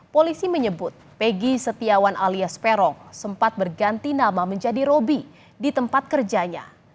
polisi menyebut peggy setiawan alias peron sempat berganti nama menjadi roby di tempat kerjanya